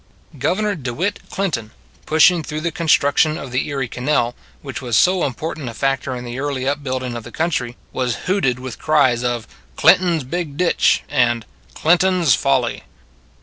Governor De Witt Clinton, pushing through the construction of the Erie Canal, which was so important a factor in the early upbuilding of the country, was hooted with cries of " Clinton s Big Ditch " and " Clinton s Folly."